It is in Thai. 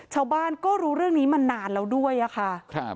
ชาวบ้านก็รู้เรื่องนี้มานานแล้วด้วยอะค่ะ